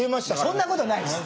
そんなことないです。